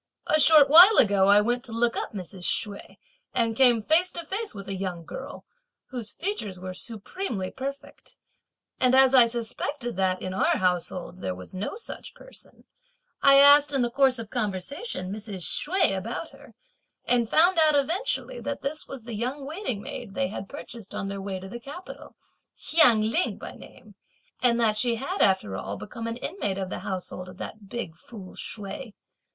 "A short while ago I went to look up Mrs. Hsüeh and came face to face with a young girl, whose features were supremely perfect, and as I suspected that, in our household, there was no such person, I asked in the course of conversation, Mrs. Hsüeh about her, and found out eventually that this was the young waiting maid they had purchased on their way to the capital, Hsiang Ling by name, and that she had after all become an inmate of the household of that big fool Hsüeh.